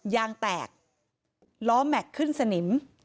ยางแตกล้อแม็กซ์ขึ้นสนิม